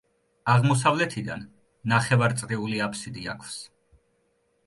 აღმოსავლეთიდან ნახევარწრიული აფსიდი აქვს.